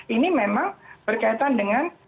ini memang berkaitan dengan